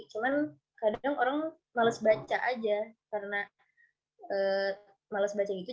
cuman kadang orang males baca aja karena males baca gitu